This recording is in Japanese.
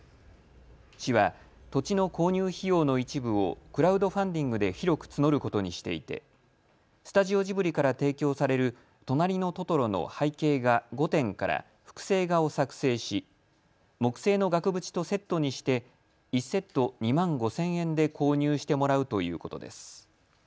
市は土地の購入費用の一部をクラウドファンディングで広く募ることにしていてスタジオジブリから提供されるとなりのトトロの背景画５点から複製画を作成し、木製の額縁とセットにして１セット２万５０００円で購入してもらうということです。